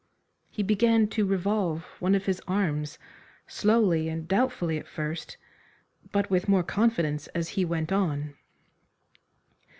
He began to revolve one of his arms, slowly and doubtfully at first, but with more confidence as he went on.